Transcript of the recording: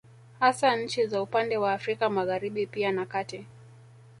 Hasa nchi za upande wa Afrika Magharibi pia na kati